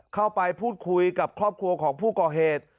เข้าไปพูดคุยกับครอบครัวของผู้ก่อเหตุ